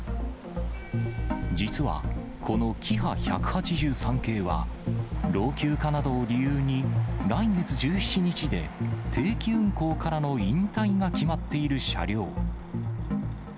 実は、このキハ１８３系は、老朽化などを理由に、来月１７日で定期運行からの引退が決まっている車両。